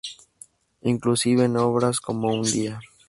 Inclusive, en obras como "Un día...